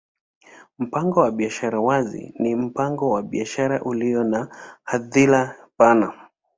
Mpango wa biashara wazi ni mpango wa biashara ulio na hadhira pana.